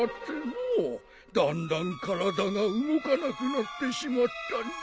だんだん体が動かなくなってしまったんじゃ。